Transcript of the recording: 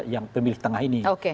yang pemilih tengah ini